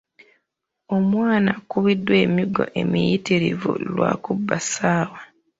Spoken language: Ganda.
Omwana akubiddwa emiggo emiyitirivu lwa kubba ssaawa.